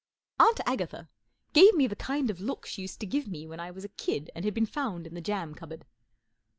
Aunt Agatha gave me the kind of look she used to give me when I was a kid and had been found in the jam cupboard.